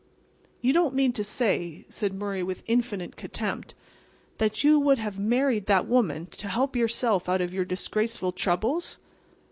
"You don't mean to say," said Murray, with infinite contempt, "that you would have married that woman to help yourself out of your disgraceful troubles!"